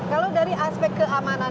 kalau dari aspek keamanan